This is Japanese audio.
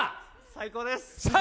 最高です！